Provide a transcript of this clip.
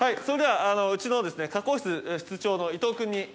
それではうちの加工室室長の伊藤君に。